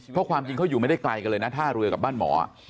เพราะความจริงเขาอยู่ไม่ได้ไกลกันเลยนะท่าเรือกับบ้านหมอ